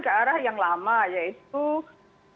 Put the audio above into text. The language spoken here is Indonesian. ke arah yang lama yaitu